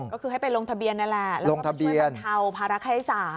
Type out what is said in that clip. ก็คือให้ไปลงทะเบียนนั่นแหละแล้วก็ช่วยบรรเทาภาระค่าใช้จ่าย